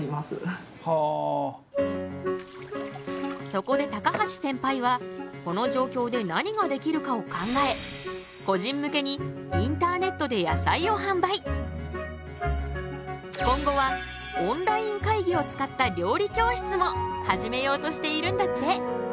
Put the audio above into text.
そこで高橋センパイはこの状況で何ができるかを考え今後はオンライン会議を使った料理教室も始めようとしているんだって。